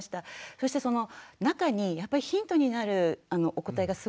そしてその中にやっぱりヒントになるお答えがすごくあって。